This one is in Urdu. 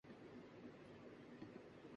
سیکورٹی ایجنسی کی دستاویز